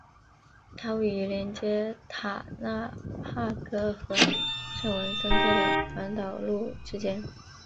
它位于连接塔纳帕格和圣文森特的环岛路之间。